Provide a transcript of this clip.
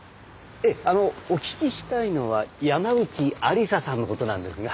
ええあのお聞きしたいのは山内愛理沙さんのことなんですが。